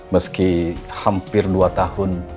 meski hampir dua tahun